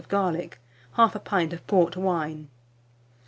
of garlic, 1/2 pint of port wine.